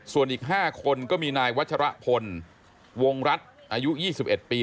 ส่วนอีก๕คนก็มีนายวัชรพลวงรัฐอายุ๒๑ปี